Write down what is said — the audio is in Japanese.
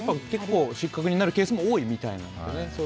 結構失格になるケースも多いみたいですけどね。